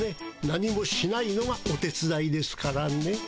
何もしないのがお手つだいですからね。